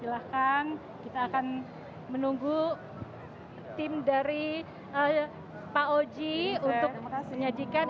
silahkan kita akan menunggu tim dari pak oji untuk menyajikan